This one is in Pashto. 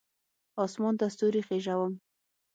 اسمان ته ستوري خیژوم